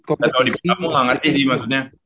kalau dipinjam mau hangat sih maksudnya